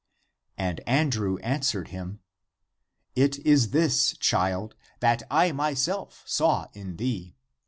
And Andrew answered him, " It is this, child, that I myself saw in thee.